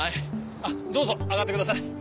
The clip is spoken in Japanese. どうぞ上がってください。